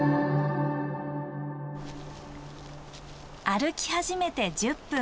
歩き始めて１０分。